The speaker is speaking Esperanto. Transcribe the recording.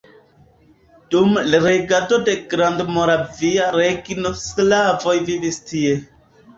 Dum regado de Grandmoravia Regno slavoj vivis tie.